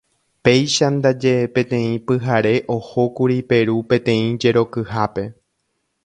Péicha ndaje peteĩ pyhare ohókuri Peru peteĩ jerokyhápe.